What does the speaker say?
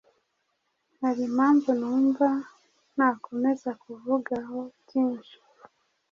hari impamvu numva ntakomeza kuvugaho byinshi